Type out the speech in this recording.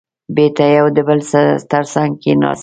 بېرته يو د بل تر څنګ کېناستل.